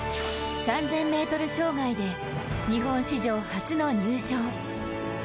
３０００ｍ障害で日本史上初の入賞。